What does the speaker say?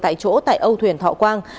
tại chỗ tại âu thuyền thọ khoang